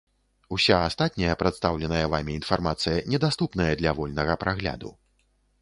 Уся астатняя прадстаўленая вамі інфармацыя недаступная для вольнага прагляду.